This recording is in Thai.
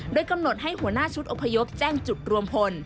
โดยกำหนดให้หัวหน้าชุดอพยพแจ้งจุดรวมพล